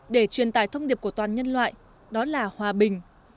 để truyền tải thông điệp của toàn nhân loại đó là hòa bình